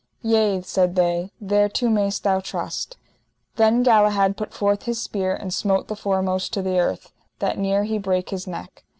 Yea, said they, thereto mayst thou trust. Then Galahad put forth his spear and smote the foremost to the earth, that near he brake his neck.